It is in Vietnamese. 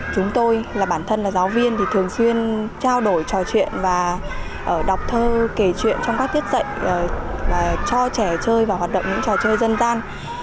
chúng tôi là bản thân là giáo viên thì thường xuyên trao đổi trò chuyện và đọc thơ kể chuyện trong các tiết dạy cho trẻ chơi và hoạt động những trò chơi dân gian